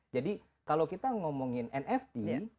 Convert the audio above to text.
jadi kalau kita ngomongin nft